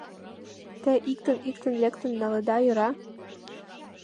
Те иктын-иктын лектын налыда, йӧра?